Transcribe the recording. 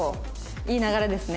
いい流れですね。